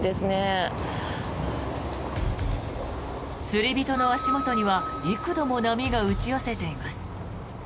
釣り人の足元には幾度も波が打ち寄せています。